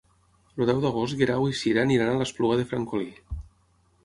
El deu d'agost en Guerau i na Cira aniran a l'Espluga de Francolí.